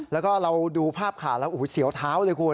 แล้วก็เราดูภาพข่าวแล้วเสียวเท้าเลยคุณ